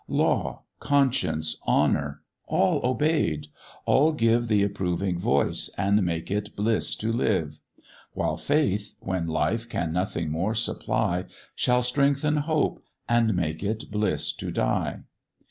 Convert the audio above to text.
Law, conscience, honour, all obey'd; all give Th' approving voice, and make it bliss to live; While faith, when life can nothing more supply, Shall strengthen hope, and make it bliss to die.